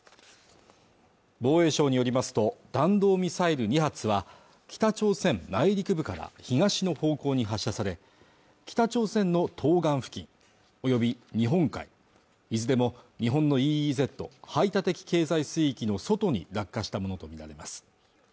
防衛省によりますと弾道ミサイル２発は北朝鮮内陸部から東の方向に発射され北朝鮮の東岸付近及び日本海いずれも日本のＥＥＺ＝排他的経済水域の外に落下したものと見られます